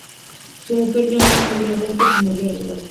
Su mujer se llamó María Flórez, o Mayor Álvarez.